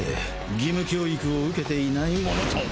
義務教育を受けていないものと。